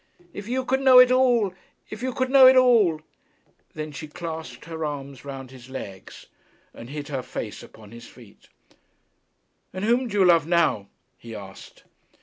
If you could know it all! If you could know it all!' Then she clasped her arms round his legs, and hid her face upon his feet. 'And whom do you love now?' he asked.